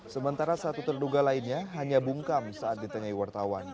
sementara satu terduga lainnya hanya bungkam saat ditengahi wartawan